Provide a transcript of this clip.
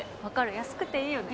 安くていいよね。